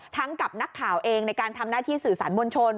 กับนักข่าวเองในการทำหน้าที่สื่อสารมวลชน